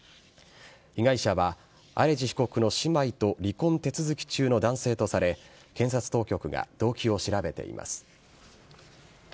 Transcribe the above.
被害者は、アレジ被告の姉妹と離婚手続き中の男性とされ、検察当局が動機を調べています。